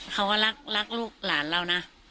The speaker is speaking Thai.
เขาก็รักลูกหลานเรานะ